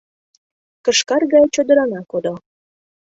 Кышкар гай чодырана кодо